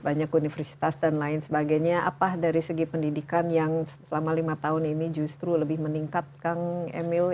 banyak universitas dan lain sebagainya apa dari segi pendidikan yang selama lima tahun ini justru lebih meningkat kang emil